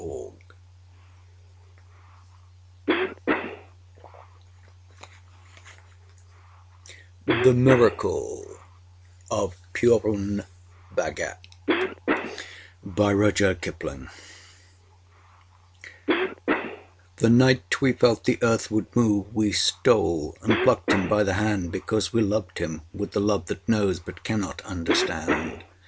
THE MIRACLE OF PURUN BHAGAT The night we felt the earth would move We stole and plucked him by the hand, Because we loved him with the love That knows but cannot understand.